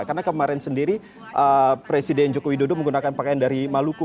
karena kemarin sendiri presiden joko widodo menggunakan pakaian dari maluku